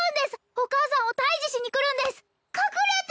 お母さんを退治しに来るんです隠れて！